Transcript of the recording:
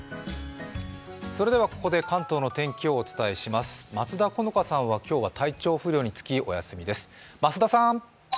それではここで関東の天気をお伝えします、松田好花さんは今日は体調不良につき、お休みです。